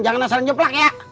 jangan asal nyeplak ya